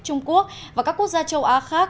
trung quốc và các quốc gia châu á khác